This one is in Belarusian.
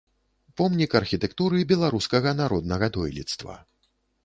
Помнік архітэктуры беларускага народнага дойлідства.